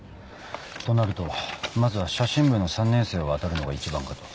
となるとまずは写真部の３年生を当たるのが一番かと。